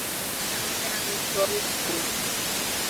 Aame amitwogikchuk